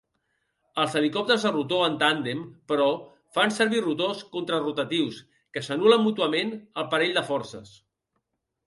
Els helicòpters de rotor en tàndem, però, fan servir rotors contrarotatius que s'anul·len mútuament el parell de forces.